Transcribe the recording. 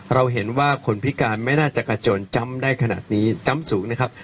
เราเห็นว่าคนพิการไม่น่าจะกระโจนจำได้ขนาดนี้จำสูงนะครับ